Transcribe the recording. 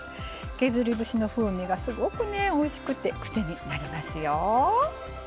削り節の風味がすごくね、おいしくて癖になりますよ。